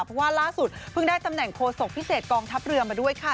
เพราะว่าล่าสุดเพิ่งได้ตำแหน่งโฆษกพิเศษกองทัพเรือมาด้วยค่ะ